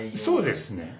そうですね。